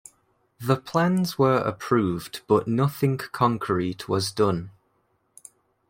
The plans were approved but nothing concrete was done.